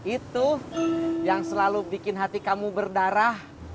itu yang selalu bikin hati kamu berdarah